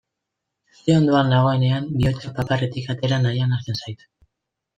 Zure ondoan nagoenean bihotza paparretik atera nahian hasten zait.